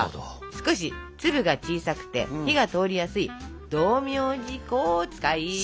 少し粒が小さくて火が通りやすい道明寺粉を使います。